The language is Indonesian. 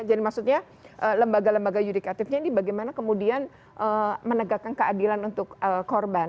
jadi maksudnya lembaga lembaga yudikatifnya ini bagaimana kemudian menegakkan keadilan untuk korban